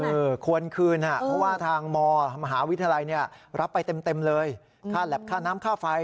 ควรคืนฮะเพราะว่าทางมมหาวิทยาลัยเนี่ยรับไปเต็มเต็มเลยค่าแหลปค่าน้ำค่าไฟ